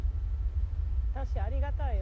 正ありがたいよ。